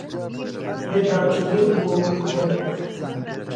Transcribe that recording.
بێباکییەکەی بووە هۆی ڕووداوێک.